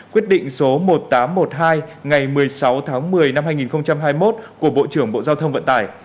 quyết định số một nghìn tám trăm một mươi hai ngày một mươi sáu tháng một mươi năm hai nghìn hai mươi một của bộ trưởng bộ giao thông vận tải